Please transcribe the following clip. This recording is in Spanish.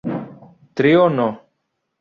Trio No.